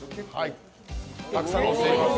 たくさん乗せていきます。